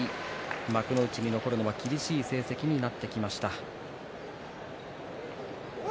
幕内に残るのは厳しい成績になってきました。